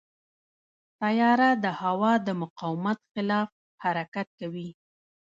طیاره د هوا د مقاومت خلاف حرکت کوي.